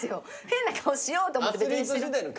変な顔しようと思って別に。